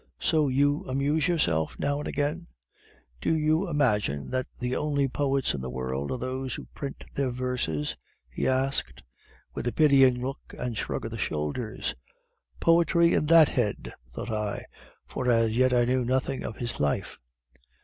"'So you amuse yourself now and again?' "'Do you imagine that the only poets in the world are those who print their verses?' he asked, with a pitying look and shrug of the shoulders. "'Poetry in that head!' thought I, for as yet I knew nothing of his life.